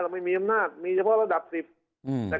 เราไม่มีอำนาจมีเฉพาะระดับสิบอืม